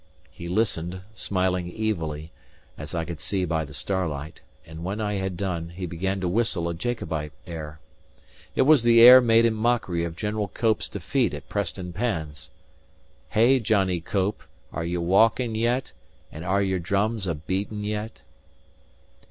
He listened, smiling evilly, as I could see by the starlight; and when I had done he began to whistle a Jacobite air. It was the air made in mockery of General Cope's defeat at Preston Pans: "Hey, Johnnie Cope, are ye waukin' yet? And are your drums a beatin' yet?"